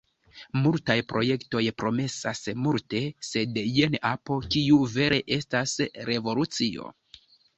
Multaj projektoj promesas multe, sed jen apo kiu vere estas revolucio.